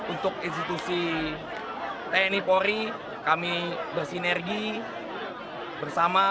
untuk institusi tni polri kami bersinergi bersama